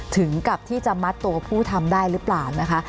ถึงกับที่จะมัดตัวผู้ทำได้หรือเปล่านะคะ